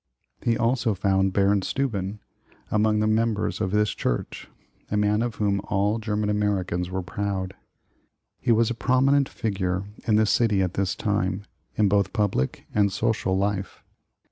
He also found Baron Steuben among the members of this church — a man of whom all German Americans were proud. He was a prominent figure in the city at this time, in both public and social life.